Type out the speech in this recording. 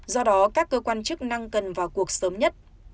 do đó các cơ quan chức năng cần vào cuộc sớm nhất